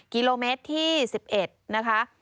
กิโลเมตรที่๑๑นะคะ